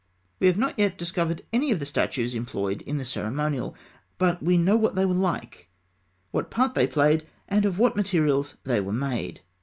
We have not as yet discovered any of the statues employed in the ceremonial, but we know what they were like, what part they played, and of what materials they were made.